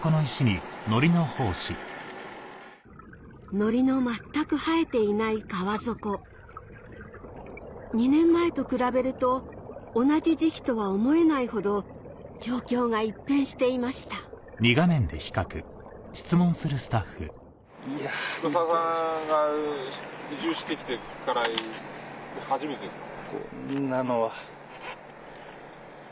ノリの全く生えていない川底２年前と比べると同じ時期とは思えないほど状況が一変していました黒澤さんが移住してきてから初めてですか？